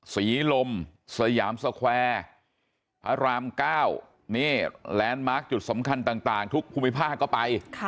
ศรีลมสยามสแควร์พระราม๙นี่แลนด์มาร์คจุดสำคัญต่างทุกภูมิภาคก็ไป